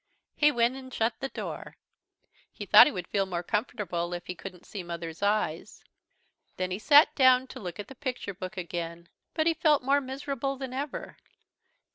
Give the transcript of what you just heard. He went and shut the door. He thought he would feel more comfortable if he couldn't see Mother's eyes. Then he sat down to look at the picture book again. But he felt more miserable than ever.